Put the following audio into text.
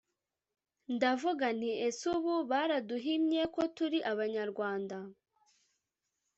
ndavuga nti ‘ese ubu baraduhimye ko turi Abanyarwanda